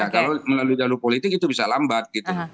kalau melalui jalur politik itu bisa lambat gitu